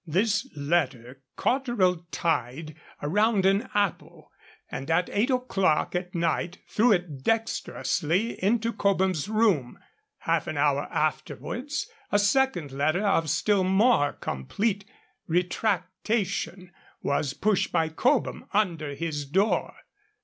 This letter Cotterell tied round an apple, and at eight o'clock at night threw it dexterously into Cobham's room; half an hour afterwards a second letter, of still more complete retractation, was pushed by Cobham under his door.